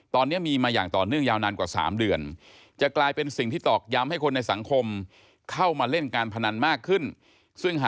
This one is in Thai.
ตอนนี้มีมาอย่างต่อเนื่องยาวนานกว่า๓เดือน